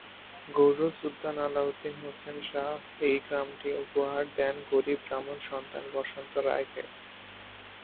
গৌড় সুলতান আলাউদ্দিন হোসেন শাহ এই গ্রামটি উপহার দেন গরীব ব্রাহ্মণ সন্তান বসন্ত রায়কে।